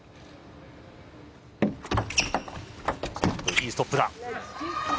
いいストップだ。